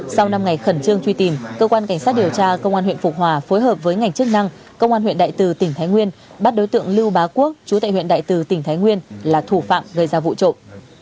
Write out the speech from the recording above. sau năm ngày khẩn trương truy tìm cơ quan cảnh sát điều tra công an huyện phục hòa phối hợp với ngành chức năng công an huyện đại từ tỉnh thái nguyên bắt đối tượng lưu bá quốc chú tại huyện đại từ tỉnh thái nguyên là thủ phạm gây ra vụ trộm